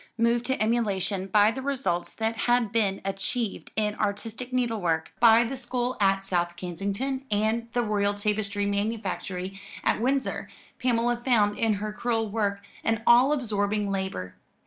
Moved to emulation by the results that had been achieved in artistic needle work by the school at South Kensington and the Royal Tapestry Manufactory at Windsor, Pamela found in her crewel work an all absorbing labour.